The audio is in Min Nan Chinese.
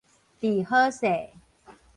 治好勢